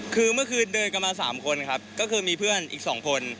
คือเมื่อคืนเดินกันมา๓คนครับก็คือมีเพื่อนอีก๒คน